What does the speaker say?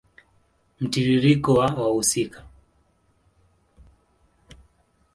Mtiririko wa wahusika